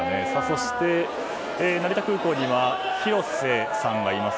そして、成田空港には広瀬さんがいます。